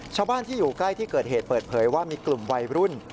ชาวบ้านที่อยู่ใกล้ที่เกิดเหตุเปิดเผยว่ามีกลุ่มวัยรุ่น